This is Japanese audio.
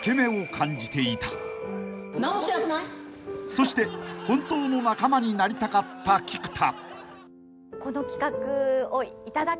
［そして本当の仲間になりたかった菊田］